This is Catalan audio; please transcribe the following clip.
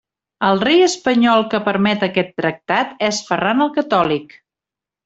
El rei espanyol que permet aquest tractat és Ferran el Catòlic.